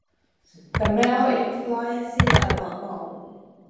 The male inflorescences are not known.